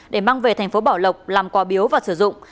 để mang về thành phố bảo lộc làm quà biếu và sử dụng